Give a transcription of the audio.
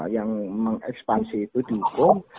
yang mengekspansi itu dihukum